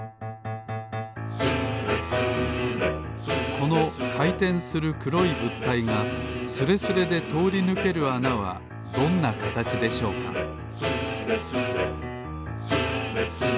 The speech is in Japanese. このかいてんするくろいぶったいがスレスレでとおりぬけるあなはどんなかたちでしょうか「スレスレ」「スレスレスーレスレ」